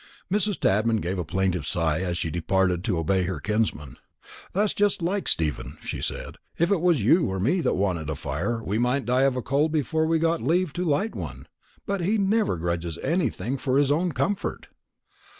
Mrs. Tadman gave a plaintive sigh as she departed to obey her kinsman. "That's just like Stephen," she said; "if it was you or me that wanted a fire, we might die of cold before we got leave to light one; but he never grudges anything for his own comfort!"